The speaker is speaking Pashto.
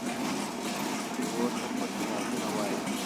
ورور ته پټ رازونه وایې.